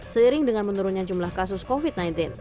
seiring dengan menurunnya jumlah kasus covid sembilan belas